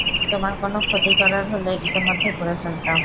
তোমার কোনো ক্ষতি করার হলে, ইতোমধ্যে করে ফেলতাম।